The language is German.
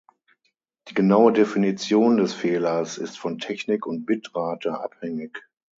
Die genaue Definition des Fehlers ist von Technik und Bitrate abhängig.